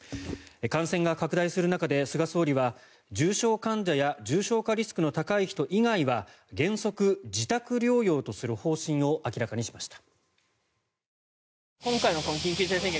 感染が拡大する中で菅総理は重症患者や重症化リスクの高い人以外は原則、自宅療養とする方針を明らかにしました。